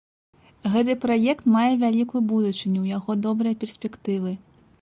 Гэты праект мае вялікую будучыню, у яго добрыя перспектывы.